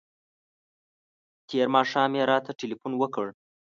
تېر ماښام یې راته تلیفون وکړ.